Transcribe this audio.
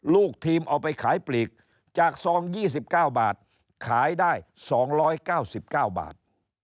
ลูกทีมเอาไปขายปลีกจากซอง๒๙บาทขายได้๒๙๙บาท